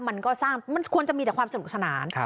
มันควรจะมีแต่ความสนุกสนาน